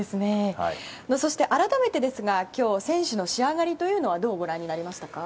そして、改めてですが今日、選手の仕上がりはどうご覧になりましたか？